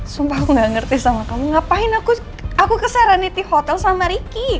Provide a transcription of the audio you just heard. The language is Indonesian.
sumpah aku gak ngerti sama kamu ngapain aku ke serenity hotel sama riki